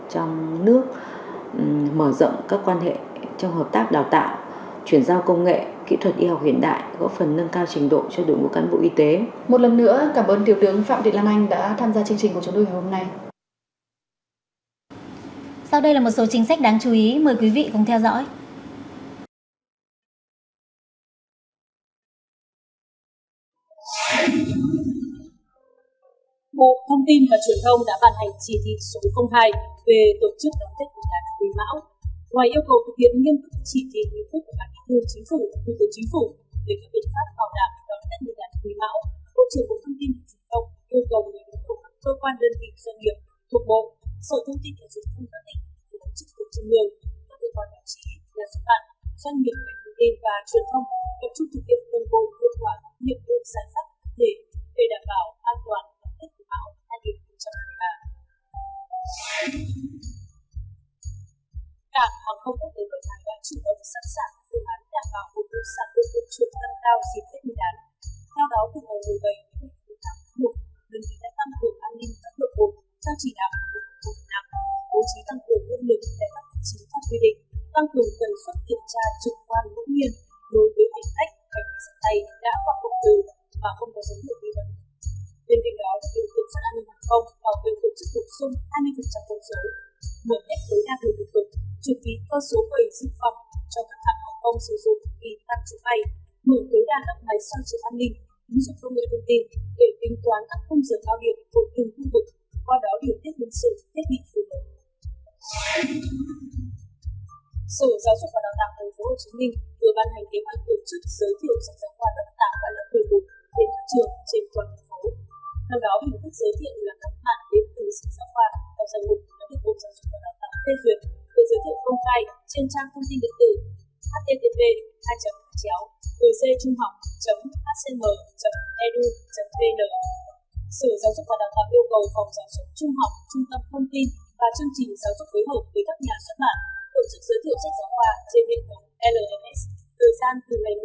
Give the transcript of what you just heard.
sở giáo dục và đào tạo yêu cầu phòng giáo dục trung học trung tâm thông tin và chương trình giáo dục phối hợp với các nhà xuất mạng tổ chức giới thiệu dịch giáo khoa trên hệ thống lms thời gian từ ngày một mươi hai cho đến tết tây an toàn